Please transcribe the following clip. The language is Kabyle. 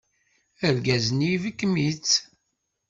Argaz-nni ibekkem-itt.